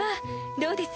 どうです？